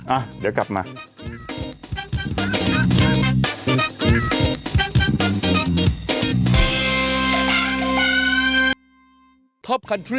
อ่ะเดี๋ยวกลับมา